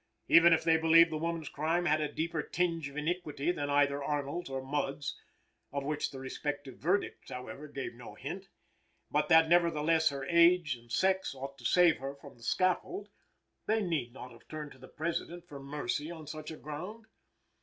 Even if they believed the woman's crime had a deeper tinge of iniquity than either Arnold's or Mudd's (of which the respective verdicts, however, give no hint), but that nevertheless her age and sex ought to save her from the scaffold, they need not have turned to the President for mercy on such a ground.